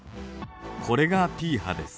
これがＰ波です。